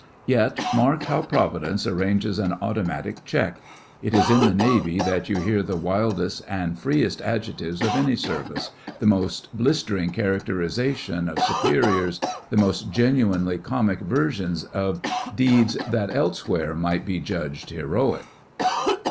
Yet, mark how Providence arranges an automatic check! It is in the Navy that you hear the wildest and freest adjectives of any Service, the most blistering characterisation of superiors, the most genuinely comic versions of deeds that elsewhere might be judged heroic.